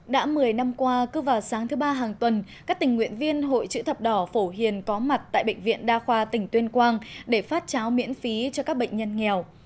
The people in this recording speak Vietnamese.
đã một mươi năm qua cứ vào sáng thứ ba hàng tuần các tình nguyện viên hội chữ thập đỏ phổ hiền có mặt tại bệnh viện đa khoa tỉnh tuyên quang để phát cháo miễn phí cho các bệnh nhân nghèo